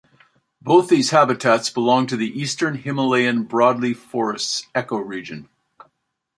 Both these habitats belong to the Eastern Himalayan broadleaf forests ecoregion.